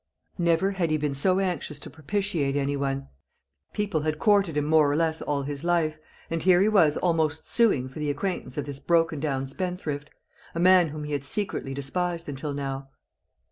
Never had he been so anxious to propitiate any one. People had courted him more or less all his life; and here he was almost suing for the acquaintance of this broken down spendthrift a man whom he had secretly despised until now.